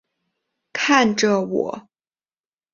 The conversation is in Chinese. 看着我